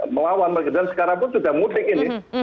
melawan begitu dan sekarang pun sudah mudik ini